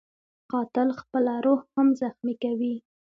قاتل خپله روح هم زخمي کوي